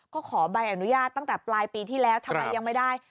ก็ขอใบอนุญาตตั้งแต่ปลายปีที่แล้วทำไมยังไม่ได้